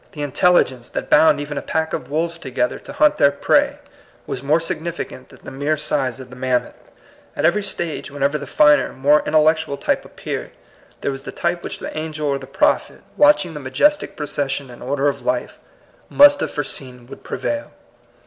The intelligence that bound even a pack of wolves together to hunt their prey was more significant than the mere size of the mammoth. At every stage, whenever the finer, more intellectual type appeared, there was the type which the angel or the prophet, watching the majestic procession and order of life, must have foreseen would prevail.